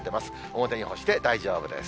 表に干して大丈夫です。